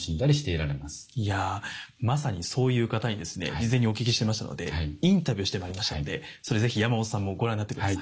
いやまさにそういう方にですね事前にお聞きしていましたのでインタビューして参りましたのでそれ是非山本さんもご覧になって下さい。